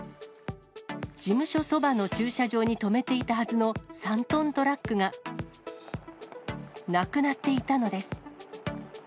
事務所そばの駐車場に止めていたはずの３トントラックが、なくなっていたのです。